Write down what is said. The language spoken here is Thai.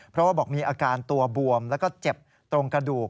เพราะว่าบอกมีอาการตัวบวมแล้วก็เจ็บตรงกระดูก